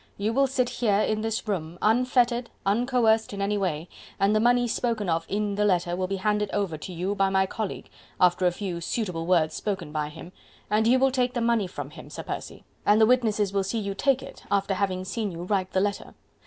You will sit here in this room, unfettered, uncoerced in any way, and the money spoken of in the letter will be handed over to you by my colleague, after a few suitable words spoken by him, and you will take the money from him, Sir Percy... and the witnesses will see you take it after having seen you write the letter...